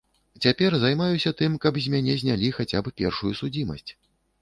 Цяпер займаюся тым, каб з мяне знялі хаця б першую судзімасць.